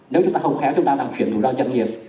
nếu chúng ta không khéo chúng ta đang chuyển thủ đo chân nghiệp